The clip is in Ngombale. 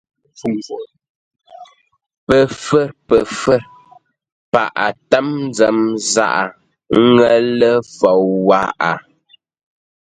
Pəfə̌r pəfə̌r, paghʼə tə́m nzəm zaghʼə ńŋə́ lə fou lâʼ waghʼə.